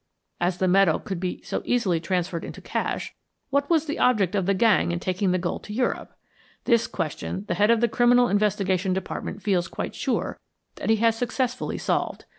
As the metal could be so easily transferred into cash, what was the object of the gang in taking the gold to Europe? This question the Head of the Criminal Investigation Department feels quite sure that he has successfully solved.